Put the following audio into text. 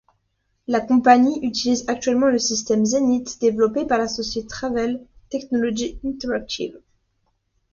La compagnie utilise actuellement le système Zenith, développé par la Société Travel Technology Interactive.